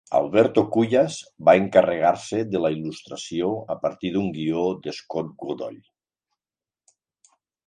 Alberto Cuyas va encarregar-se de la il·lustració a partir d'un guió de Scott Goodall.